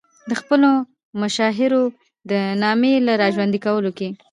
د خپلو مشاهیرو د نامې را ژوندي کولو کې.